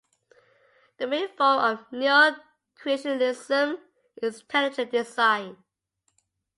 The main form of neo-creationism is intelligent design.